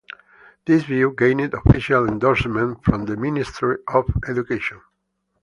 This view gained official endorsement from the Ministry of Education.